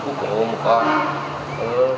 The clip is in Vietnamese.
của quốc lộ một a